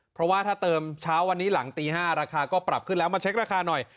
เพราะว่าถ้าเติมเช้าวันนี้หลังตี๕ราคาก็ปรับขึ้นแล้วมาเช็คราคาหน่อย